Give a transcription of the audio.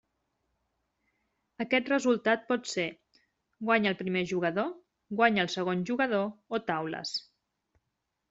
Aquest resultat pot ser: guanya el primer jugador, guanya el segon jugador o taules.